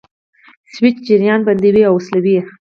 سویچ جریان بندوي او وصلوي.